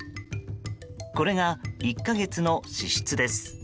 これが１か月の支出です。